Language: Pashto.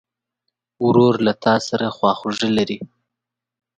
ورور له تا سره خواخوږي لري.